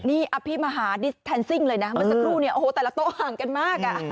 นี่อภิมหาดิสแทนซิ่งเลยนะเมื่อสักครู่เนี่ยโอ้โหแต่ละโต๊ะห่างกันมากอ่ะ